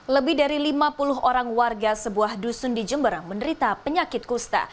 lebih dari lima puluh orang warga sebuah dusun di jember menderita penyakit kusta